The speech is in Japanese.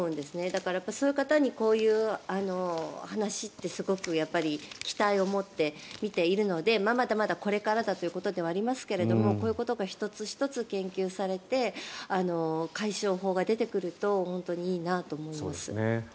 だから、そういう方にこういう話ってすごく期待を持って見ているのでまだまだこれからだということではありますけどこういうことが１つ１つ研究されて解消法が出てくると本当にいいなと思います。